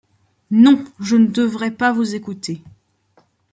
Non, je ne devrais pas vous écouter.